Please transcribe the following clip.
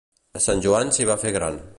A Sant Joan s'hi va fer gran.